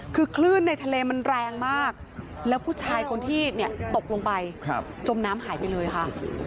คือคลื่นในทะเลมันแรงมากแล้วผู้ชายคนที่ตกลงไปจมน้ำหายไปเลยค่ะ